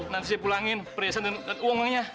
nanti saya pulangin perhiasan uang uangnya